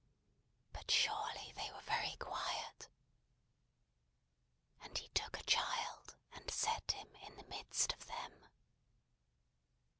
But surely they were very quiet! "'And He took a child, and set him in the midst of them.'"